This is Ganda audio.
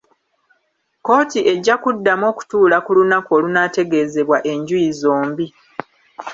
Kkooti ejja kuddamu okutuula ku lunaku olunaategeezebwa enjuyi zombi.